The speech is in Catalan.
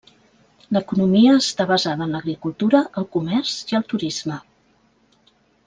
L'economia està basada en l'agricultura, el comerç i el turisme.